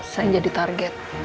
saya yang jadi target